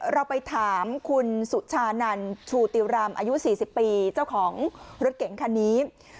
เราไปถามคุณสุชานันชูติวรำอายุ๔๐ปีเจ้าของรถเก๋งคันนี้